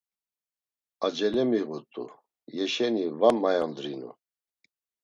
Acele miğut̆u, yeşeni va mayondrinu.